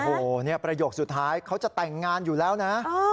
โอ้โหนี่ประโยคสุดท้ายเขาจะแต่งงานอยู่แล้วนะ